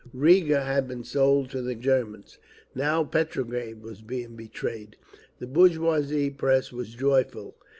Riga had been sold to the Germans; now Petrograd was being betrayed! The bourgeois press was joyful.